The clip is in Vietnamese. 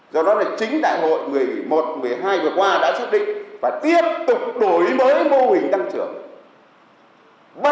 do đó là chính đại hội một mươi một một mươi hai vừa qua đã xác định và tiếp tục đổi mới mô hình tăng trưởng